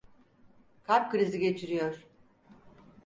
Kalp krizi geçiriyor.